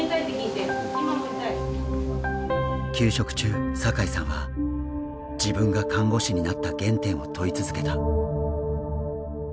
休職中阪井さんは自分が看護師になった原点を問い続けた。